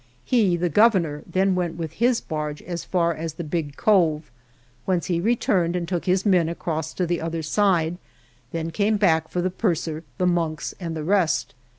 He (the Governor) then went with his barge as far as the big cove, whence he returned and took his men across to the other side, then came back for the purser, the monks and the rest.